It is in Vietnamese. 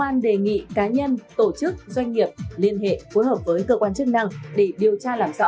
công an đề nghị cá nhân tổ chức doanh nghiệp liên hệ phối hợp với cơ quan chức năng để điều tra làm rõ